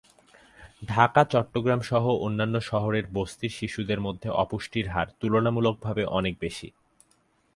ঢাকা, চট্টগ্রামসহ অন্যান্য শহরের বস্তির শিশুদের মধ্যে অপুষ্টির হার তুলনামূলকভাবে অনেক বেশি।